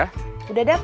cek dipanggil kang cecep